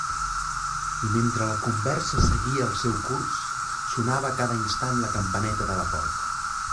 I mentre la conversa seguia el seu curs, sonava a cada instant la campaneta de la porta.